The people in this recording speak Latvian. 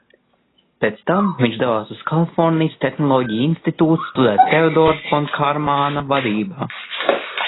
Pēc tam viņš devās uz Kalifornijas Tehnoloģiju institūtu studēt Teodora fon Kārmāna vadībā.